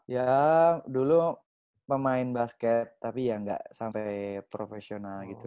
ya dulu pemain basket tapi ya nggak sampai profesional gitu